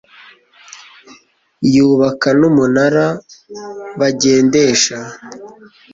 yubaka n'umunara bagendesha